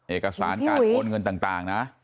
เอกสารการโอนเงินต่างนะ